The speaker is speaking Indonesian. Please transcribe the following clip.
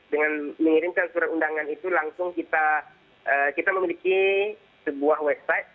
dengan mengirimkan surat undangan itu langsung kita memiliki sebuah website